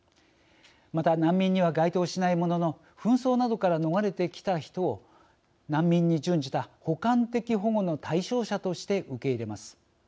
また、難民には該当しないものの紛争などから逃れて来た人を難民に準じた補完的保護の対象者として受け入れます。